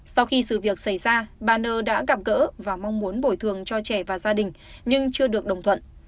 sau khi sự việc xảy ra bà nơ đã gặp gỡ và mong muốn bồi thường cho trẻ và gia đình nhưng chưa được đồng thuận